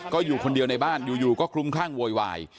ก็อยู่คนเดียวในบ้านอยู่ก็คลุมคลั่งโวยวาย